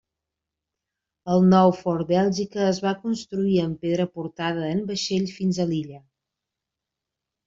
El nou Fort Bèlgica es va construir amb pedra portada en vaixell fins a l'illa.